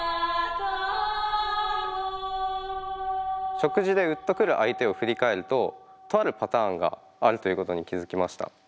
食事でウッとくる相手を振り返るととあるパターンがあるということに気付きました。